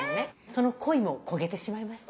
その恋も焦げてしまいました。